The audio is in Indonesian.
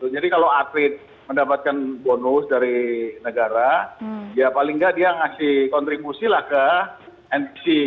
jadi kalau atlet mendapatkan bonus dari negara ya paling nggak dia ngasih kontribusi lah ke npc